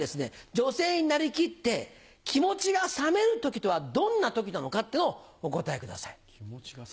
女性になりきって気持ちが冷める時とはどんな時なのかってのをお答えください。